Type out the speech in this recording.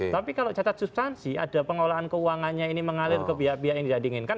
tapi kalau cacat substansi ada pengolahan keuangannya ini mengalir ke pihak pihak yang tidak diinginkan